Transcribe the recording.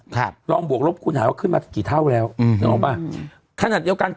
ครับลองบวกลบคุณหาว่าขึ้นมากี่เท่าแล้วอืมนึกออกป่ะขนาดเดียวกัน